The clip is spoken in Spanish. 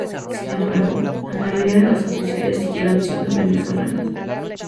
Sin embargo, la mayoría de los oficiales siguieron siendo venezolanos.